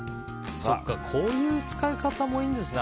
こういう使い方もいいんですね